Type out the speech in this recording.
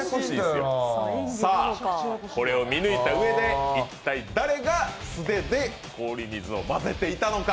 これを見抜いたうえで、一体誰が素手で氷水を混ぜていたのか。